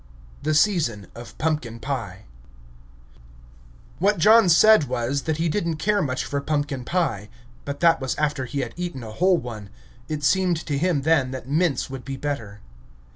IX. THE SEASON OF PUMPKIN PIE What John said was, that he did n't care much for pumpkin pie; but that was after he had eaten a whole one. It seemed to him then that mince would be better.